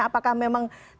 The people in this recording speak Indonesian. apakah memang tidak pernah